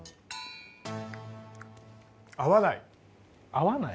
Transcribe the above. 合わない？